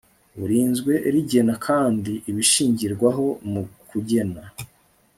burinzwe rigena kandi ibishingirwaho mu kugena